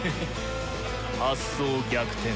発想逆転。